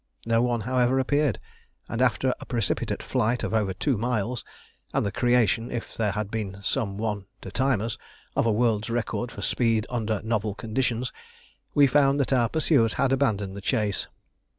No one, however, appeared, and after a precipitate flight of over two miles, and the creation, if there had been some one to time us, of a world's record for speed under novel conditions, we found that our pursuers had abandoned the chase.